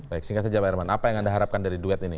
baik singkat saja pak herman apa yang anda harapkan dari duet ini